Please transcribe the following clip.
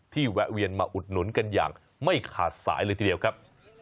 แวะเวียนมาอุดหนุนกันอย่างไม่ขาดสายเลยทีเดียวครับ